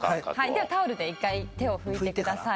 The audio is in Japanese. ではタオルで１回手を拭いてください。